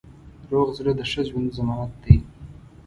روغ زړه د ښه ژوند ضمانت دی.